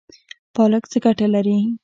پالک څه ګټه لري؟